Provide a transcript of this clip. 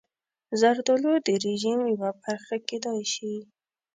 زردالو د رژیم یوه برخه کېدای شي.